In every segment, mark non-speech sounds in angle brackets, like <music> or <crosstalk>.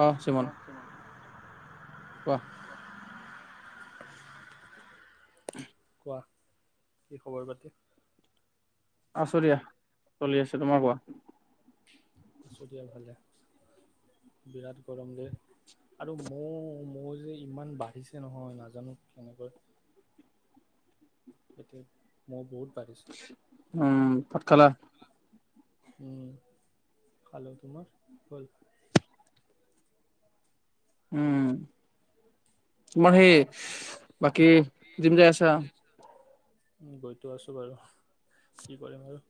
অহ চিমন অকে ম কোৱা <unintelligible> কোৱা খবৰ পাতি আছো দিয়া চলি আছে তোমাৰ কোৱা আছোঁ দিয়া ভালে বিৰাট গৰম দে আৰু মৌ মৌ যে ইমান বাঢ়িছে নহয় নাজানো কেনেকৈ-? যাতে মই বহুত পোৰছ উম পৎকালা হেল্ল' তোমাৰ ক'ল। উম মাৰ সেই অ', বাকি জিম যাই আছা গৈতো আছোঁ বাৰু কি কৰিম আৰু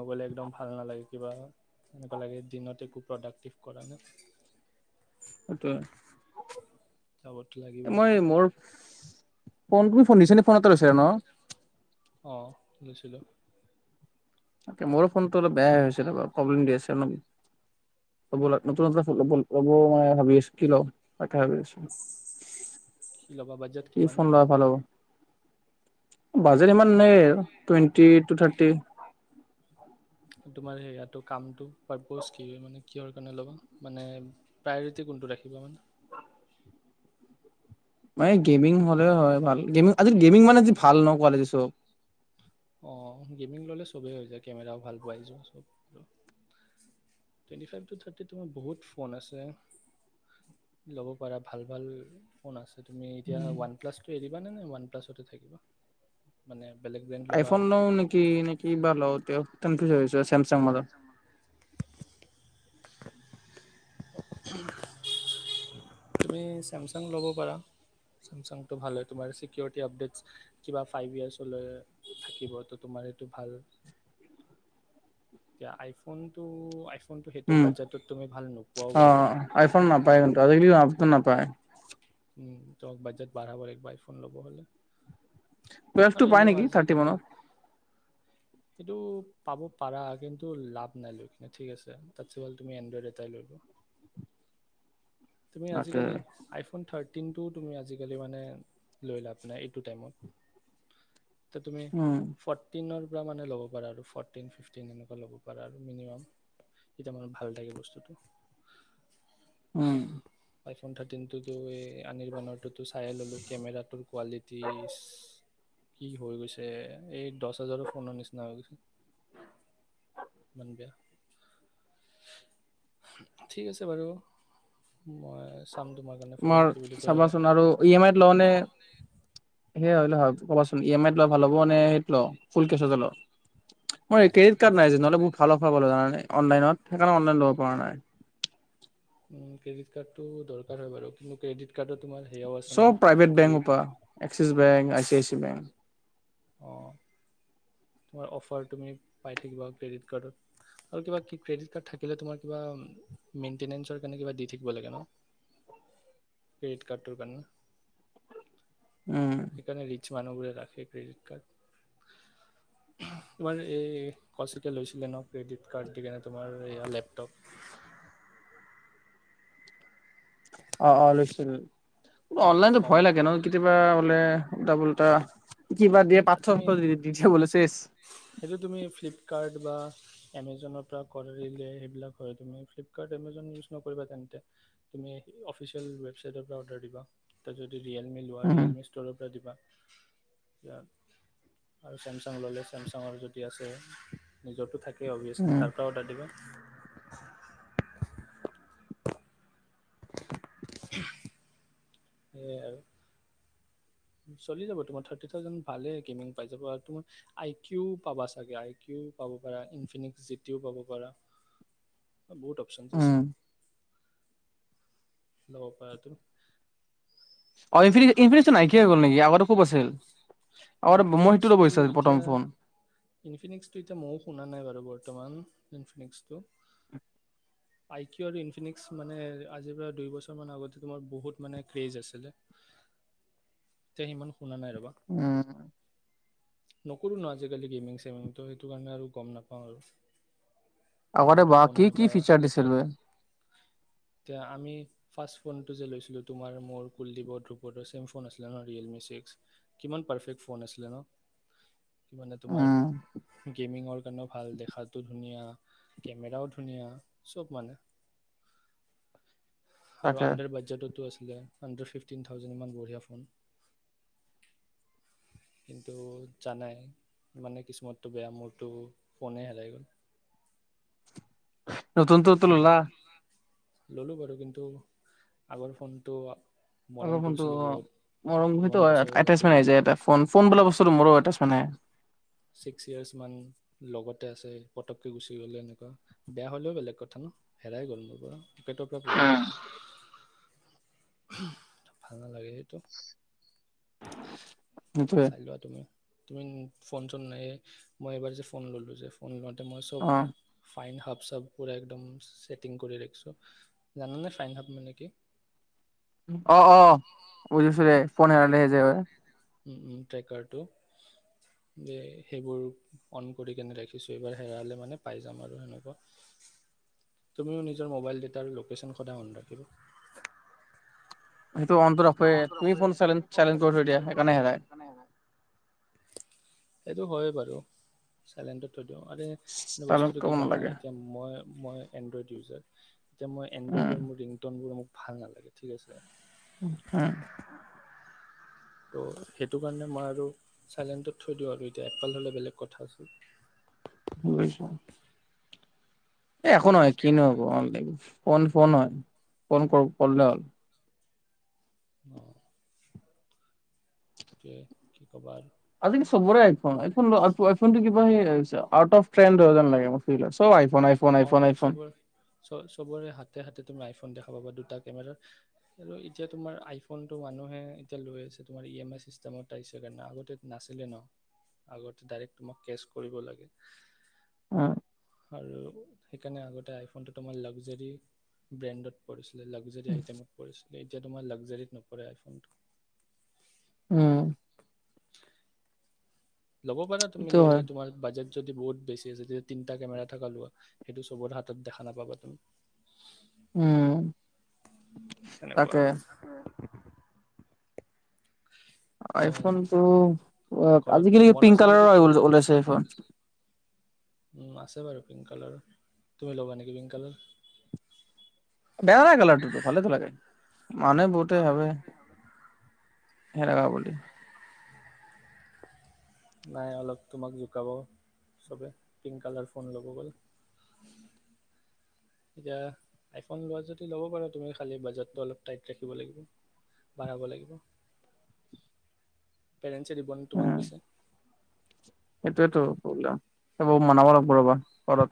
নগ'লে একদম ভাল নালাগে কিবা এনেকুৱা লাগে দিনত একো প্ৰডাক্টিভ কৰা নাই ত যাবতো লাগিবই। মই মোৰ। ফোন তুমি ফোন নিছে নি ফোন এ লৈছা ন। অ লৈছিলোঁ তাকে মোৰো ফোনটো অলপ বেয় হৈছে ৰ প্ৰব্লেম দি আছে অলপব নতুনব লব মই ভাবি আছো কি ল তাকে ভাবি আছো। ল'বা বাজেট কি কিমান ফোন লোৱা ভাল হ'ব বাজেট ইমান নাই টুৱেণ্টি টু থাৰ্টি তোমাৰ সেয়া কামটো পাৰপজ কি মানে কিহৰ কাৰণে ল'বা মানে প্ৰায়ৰিটি কোনটো ৰাখিব মানে ম গেমিং হ'লে হয় ভাল গেমিং আজি গেমিং মানে ভাল ন কোৱালটি চব। অ গেমিং ল'লে চবেই হৈ যায় কেমেৰাও ভাল পোৱাই যাব আৰু টুৱেণ্টি ফাইভ টু থিকে তোমাৰ বহুত ফোন আছে ল'ব পাৰা ভাল ভাল ফোন আছে। তুমি এতিয়া ওৱান প্লাছ এ। নাই নাই ওৱান প্লাছতে থাকিব। আইফোন লও নেকি নেকি বা কনফিউজ চেমচাং মানে। তুমি চেমচাং ল'ব পাৰা চেমচাংটো ভাল হয় তোমাৰ চিকিৰিটি আপডট কিবা ফাইভ ইয়াৰ হলে থাকিব ত তোমাৰ এইটো ভাল এতিয়া আইফোনটো আইফোনটো সেইটো উম বাজেটত তুমি ভাল নোপোৱাও বাৰু আহ আইফোন নাপায় কিন্তু আজিকি নাপায় উম ত বাজেট বাৰ়াবৰ একবাৰ ফোন ল'ব হলে আৰু বয়সটো পাই এনেও নেকি থাৰ্টি আজিকালি মানত, সেইটো পাব পাৰা কিন্তু লাভ নাই লৈ কিনে ঠিক আছে তাতছ হ'ল তুমি এনড্ৰইড এটাই লৈলো। তুমি তাকে। আজিকালি আইফোন থাৰ টিনটো তুমি আজিকালি মানে লৈ লাভ নাই এইটো টাইমত, ত তুমি উম, চবপিনে মানে ল'ব পাৰা আৰু ফ'ৰ্টিন ফিফটিন এনেকুৱা ল'ব পাৰা আৰু মিনিমাম এতিয়া মানে ভাল থাকে বস্তুটো। উম। আইফোন থাৰ্টিনটোতো এই আনিৰ বানৰটোতো চাইে ল'লোঁ কেমেৰাটোৰ কোৱালিটি কি হৈ গৈছে এই দহ হাজাৰৰ ফোনৰ নিচিনা হৈ গৈছে ইমান বেয়া ঠিক আছে বাৰু। মই চাম তোমাৰ কাৰণে ফোন তোমাৰ কি বুলি কয় চাবাচোন আৰু ই এম আইত লওঁ নে? সেইয় হয় কবাচোন ই এম আইত ললে ভাল হ'ব নে সেইটো ললে ফুল কেচত লও। মই ক্ৰেডিট কাৰ্ড নাই যে নহলে ভাল অফাৰ পালো জানানে। অনলাইনত সেইকাৰণে অনলাইন ল'ব পৰা নাই। উম, ক্ৰেডিট কাৰ্ডটো দৰকাৰ হয় বাৰু কিন্তু ক্ৰেডিট। কাৰ্ডত তোমাৰ সেয়াও আছে ন চব প্ৰাইভেট কি বেংক পৰা Axis bank I C I C bank. অঁ তোমাৰ অফাৰ তুমি পাই থাকিবা ক্ৰেডিট কাৰ্ডত আৰু কিবা ক্ৰেডিট কাৰ্ড থাকিলে তোমাৰ কিবা মেইনটেনেঞ্চৰ কাৰণে কিবা দি থাকিব লাগে ন ক্ৰেডিট কাৰ্ডটোৰ কাৰণে। উম। সেইকাৰণে ৰিচ মানুহবোৰে ৰাখে ক্ৰেডিট কাৰ্ড তোমাৰ এই কৌশিকে লৈছিলে ন ক্ৰেডিট কাৰ্ড দি কেনে তোমাৰ এয়া লেপটপ। অঁ অঁ লৈছিলে। অনলাইনতো কম ভয় লাগে নহ কেতিয়াবা বোলে। ওল্তা পোল্তা। কিবা দিয়ে পাঠৰ তুমি সাথৰ দি দিয়ে বুলে তেতিয়া চেচ কিবা এমেজনৰ পৰা কাৰিলে সেইবিলাক হয় তুমি ফ্লিপকাৰ্ট এমজন ইউজ নকৰিবা তেন্তে তুমি অফিচিয়েল ৱেবচাইটৰ পৰা অৰ্ডাৰ দিবা ত যদি। ৰিয়েলমি লোৱা উম, ৰিয়েলমি ষ্ট'ৰ পৰা দিবা। তেতিয়া। আৰু চেমচাং ল'লে চেমচাঙৰ যদি আছে নিজৰতো থাকিবই। অবিয়েচলি উম, তাৰ পৰাৰা অৰ্ডাৰ দিবা। <unintelligible> <unintelligible> সেয়াই আৰু চলি যাব তোমাৰ থাৰ্টি থাউজেণ্ড ভালে গেমিং পাই যাব আৰু তোমাৰ আই কিউ পাবা চাগে আই কিউ পাব পাৰা ইনফিনিকস জিটিও পাব পাৰা। বহুত অপচনছ। উম। লব পাৰা টো। অ ইনফিনিকিশ নাইকিয়া হৈ গ'ল নেকি আগ খুব আছিল আ মই ইনফিনিক্সটো সেইটো প্ৰথম এতিয়া ফোন। ইনফিনিক্সটো ইনফিনিক্স টো। উ <unintelligible> আই কিউ আৰু ইনফিনিশ মানে আজিৰ পৰা দুই বছৰ মান আগতে তোমাৰ বহুত মানে ক্ৰেজ আছিলে এয়া সিমান। শুনা নাই ৰবা। উম, নকৰোঁ ন আজিকালি গেমিং চেমিং তো সেইটো কাৰণে আৰু গম নাপাওঁ আৰু। আগতে কোনটো বা ফোন কি কি এনেকুৱা ফিচাৰ দিছিল বেটাৰ বে এতিয়া আমি। ফাৰ্ষ্ট ফোনটো যে লৈছিলোঁ তোমাৰ মোৰ কুলদীপৰ ধ্ৰুপদৰ ছেম ফোন আছিলে ন ৰিয়েলমি ছিক্স কিমান পাৰফেক্ট ফোন আছিলে ন কি মানে তোমাৰ উম, গেমিঙৰ কাৰণেও ভাল দেখাতটো ধুনীয়া। কেমেৰাও ধুনীয়া চব মানে। আৰু তাকে আণ্ডাৰ বাজেটটো তো আছিল। হাণ্ড্ৰেড ফিফটিন থাউজেণ্ড ইমান বঢ়িয়া ফোন কিন্তু জানাই মানে কিছুমান টো বেয়া মোৰটো ফোনে হেৰাই গ'ল নতুনতোটো ললা ল'লোঁ বাৰু কিন্তু আগৰ ফোনটো আগৰ মৰম ফোনতো কৰিছিলোঁ অ বহুত মৰম ইমান আহে বছৰ এটেচ ৰাখিলোঁ আহে ফোন বোলা বস্তুটো মোৰো এটেচমেন আহে ছিক্স ইয়েৰ্চমান লগতে আছে পটককৈ গুচি গ'লে এনেকুৱা বেয়া হ'লেও বেলেগ কথা ন হেৰাই গ'ল মোৰ পৰা পকেটৰ পৰা পৰি গ'ল ভাল নালাগে সেইটো সেইটোৱে চাই লোৱা তুমি তুমি ফোন চোন নাইয়ে মই এইবাৰ যে ফোন ল'লো যে ফোন ল এ মই চব অ', ফাইন হাব চব পুৰা একদম চেটিং কৰি ৰাখিছোঁ জানানে ফাইন হাত মানে কি? অ অ বুজিছো দে ফোন হেৰালে যে ট্ৰেকাৰটো দে সেইবোৰ অন কৰি কেনে ৰাখিছোঁ এইবাৰ হেৰাালে মানে পাই যাম আৰু সেনেকুৱা তুমিও নিজৰ মোবাইল ডেটাৰ লোকেশ্যন সদায় অন ৰাখিবা সেইটো অনটো ৰাখেৱে তুমি ফোন চাইলেণ্ট চাইলেণ্ট কৰি থৈ দিয়া সেইকাৰণে হেৰাই সেইটো হয়ে বাৰু চাইলেণ্টত থৈ দিওঁ আৰু চাইলেণ্ট বস্তুটো কি কৰিব জানা নালাগে এতিয়া মই মই এণ্ড্ৰইড ইউজাৰ। যে মই উম, এণ্ড্ৰইডৰ মোৰ ৰিংটনবোৰ মোক ভাল নালাগে ঠিক আছে উম ত' সেইটো কাৰণে মই আৰু চাইলেণ্টত থৈ দিওঁ আৰু এতিয়া আপেল হ'লে বেলেগ কথা আছিল। বুজিছো একো নহয় কিনো হব ফোন ফোন হয় ফোন কৰ কৰিলে হ'ল। অ, সেইটোৱে আজিকালি চবৰে আইফোন আইফোন লোৱা আইফোনটো কিবা সেই আউট অফ ট্ৰেণ্ড হয় জেন লাগে বস্তুবিলাক চব আই ফোন। অ চবৰে চবৰে হাতে হাতে তুমি আইফোন দেখা কাৰুবা দুটা কেমেৰাৰ আৰু এতিয়া তোমাৰ আইফোনটো মানুহে এতিয়া লৈ আছে তোমাৰ ই এম আই চিষ্টেমত আহিছে কাৰণে আগতে নাছিলে ন আগতে ডাইৰেক্ট তোমাক কেচ কৰিব লাগে। উম আৰু সেইকাৰণে আগতে আইফোনটো তোমাৰ লাগজাৰী ব্ৰেণ্ডত পৰিছিল। লাগজাৰী আইটেমত পৰিছে। এতিয়া তোমাৰ লাগজাৰীত নপৰে আইফোনটো। উম ল'ব পাৰা তুমি সেইটো ল'লে হয় তোমাৰ বাজেট যদি বহুত বেছি আছে তেতিয়া তিনটা কেমেৰা থকা লোৱা সেইটো চবত হাতত দেখা নাপাবা তুমি। উম সেনেকুৱা তাকে আৰু এতিয়া আইফোনটো অ ঘৰত আজিকালি মন পিংক আছে কালাৰৰ যদি ঘৰত ওল- ওলাইছে সুধিছো আইফোন উম আছে বাৰু পিংক কালাৰ তুমি ল'বা নেকি পিংক কালাৰ, বেয়া নাই লগা কিন্তু ভালে লাগে। মান বহুতে ভাবে। বেযা বুলি নাই অলপ তোমাক জোকাব চবে পিংক কালাৰ ফোন ল'ব গ'ল এতিয়া আইফোন লোৱা যদি ল'ব পাৰা তুমি খালী বাজেটটো অলপ টাইট ৰাখিব লাগিব বাঢ়াব লাগিব। পেৰেণ্টছে দিবন তোমাক পইচা সেইটোয়ো প্ৰব্লেম সব মনাব লাগিব ৰ'বা ঘৰত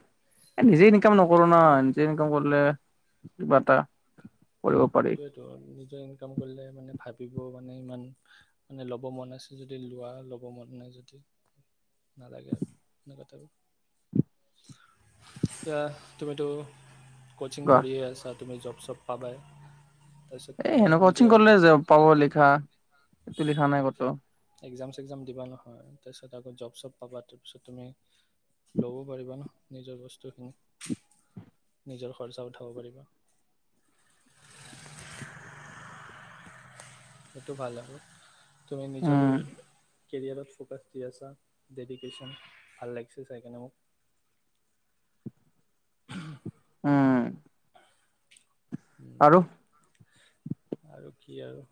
নিজে ইনকাম নকৰো ন নিজে ইনকাম কৰিলে কিবা এটা। কৰিব পাৰি সেটোয়েতো নিজৰ ইনকাম কৰিলে মানে ভাবিব মে। মানে ইমান মানে ল'ব মন আছে যদি লোৱা ল'ব মন নাই যদি নালাগে আৰু সেনেকুৱা আৰু এয়া তুমিতো। কচিং কোৱা। কৰিয় আছা তুমি জব চব পাবায় এই সেনেক কচিং কৰিলে যে পাব লিখা। টো লিখা নাই ক'ত একজাম চেকজাম দিবা নহয় তাৰপিছত আকৌ জব চব পাবা তাৰপিছত তুমি ল'বও পাৰিবা নহ নিজৰ বস্তুখিনি নিজৰ খৰচা উঠাব পাৰিবা। সেইটো ভাল হ'ব তুমি নিজৰ উম কেৰিয়াৰত ফ'কাছ দি আছা ডেডিকেশ্যন ভাল লাগিছে চাইকাৰণে মোক উম আৰু আৰু কি আৰু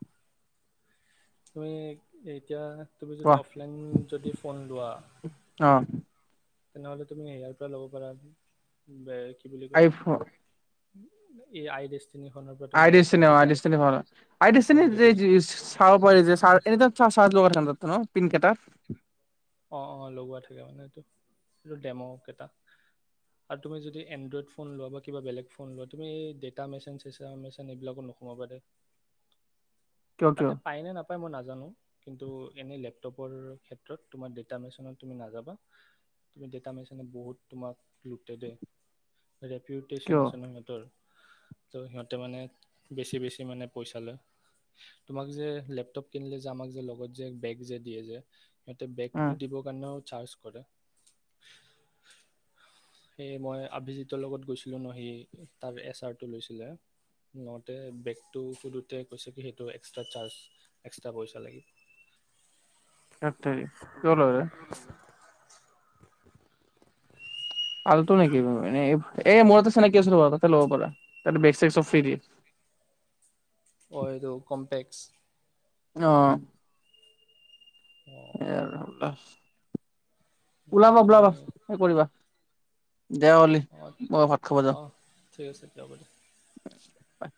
তুমি এতিয়া তুমি কোৱা যদি অফলাইন যদি ফোন লোৱা অ তেনেহ'লে তুমি সেয়াৰ পৰা ল'ব পাৰা বুলি কয় আইফোন। এই আই দি আই ডিচিনাৱাল আই আইফোন ডিচিনিৱাল যদি চাব পাৰি এ ল ন, পিনকেটাট অ অ লগোৱা থাকে মানে এইটো এইটো ডেম' কেইটা আৰু তুমি যদি এণ্ড্ৰইড ফোন লোৱা বা কিবা বেলেগ ফোন লোৱা তুমি এই ডেটা মেচিন চেচ মেচিন এইবিলাকো নোসোমাব দে, কিয় কিয় তাতে পায়নে নাপায় মই নাজানো কিন্তু এনেই লেপ। টপৰ ক্ষেত্ৰত তোমাৰ ডেটা মেচনত তুমি নাযাবা তুমি ডেটা মেচনে বহুত তোমাক লুটে দে। কিয় ৰেপিউটেশ্যন আছে ন সিহঁতৰ ত' সিহঁতে মানে বেছি-বেছি মানে পইচা লয়, তোমাক যে লেপটপ কিনিলে যে, আমাক যে, লগত যে, বেগ যে, দিয়ে যে সিহঁতে উম বেগটো দিব কাৰণেও চাৰ্জ কৰে। সেয়ে মই আভিজিতৰ লগত গৈছিলোঁ ন, সি তাৰ এচ আৰটো লৈছিলে, লওঁতে বেগটো সোধোতে কৈছে কি সেইটো এক্সট্ৰা চাৰ্জ, এক্সট্ৰা পইচা লাগে। সেত তেৰি, কিয় লাগে? আৰু টো নেকি, এই মোৰটো চিনাকি আছিল ল'ৰাটো ফোন নম্বৰটো ল'ব পাৰা তাতে বেগ-চেগ চব ফ্ৰী দিয়ে। অ এইটো কম্পেক বুচ <unintelligible> আহ অঁ এই আহমলাহ <unintelligible> এ তুমি ওলাবা-ওলাবা সে কৰিবা। দে হ'ল‌ এই, অঁ মই ভাত খাব যাওঁ। অঁ ঠিক আছে দিয়া, হব দে। বাই